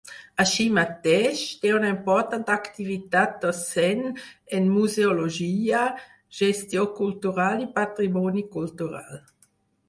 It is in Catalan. Així mateix, té una important activitat docent en museologia, gestió cultural i patrimoni cultural.